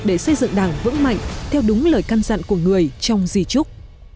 để xây dựng đảng vững mạnh theo đúng lời căn dặn của người trong di trúc